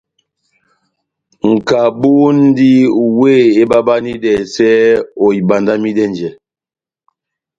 Nʼkabu múndi wéh ebabanidɛsɛ ohibandamidɛnjɛ.